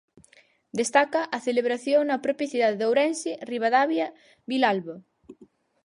Destaca a celebración na propia cidade de Ourense, Ribadavia, Vilalba.